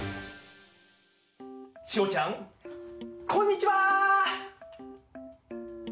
ちおちゃんこんにちは！